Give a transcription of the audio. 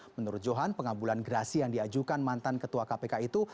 menurut johan pengabulan gerasi yang diajukan mantan ketua kpk itu